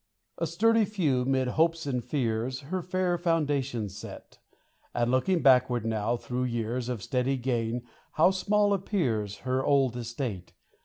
A sturdy few, 'mid hopes and fears, Her fair foundations set : And looking backward now, through years Of steady gain, how small appears Her old estate